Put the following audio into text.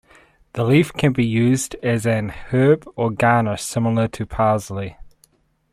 The leaf can be used as an herb or garnish similar to parsley.